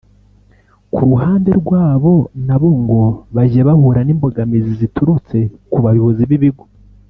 ku ruhande rwabo na bo ngo bajya bahura n’imbogamizi ziturutse ku bayobozi b’ibigo